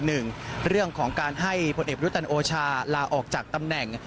หนึ่งเรื่องของการให้พลเจภรุตนโอชาลาออกจากตำแหน่ง